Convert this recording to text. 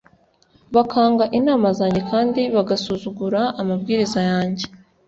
bakanga inama zanjye, kandi bagasuzugura amabwiriza yanjye